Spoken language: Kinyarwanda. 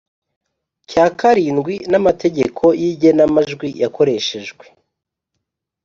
cya karindwi n’amategeko y’igenamajwi yakoreshejwe.